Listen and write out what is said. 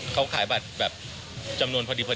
เขาขายบัตรแบบจำนวนพอดี